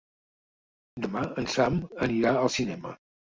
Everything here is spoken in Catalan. Demà en Sam anirà al cinema.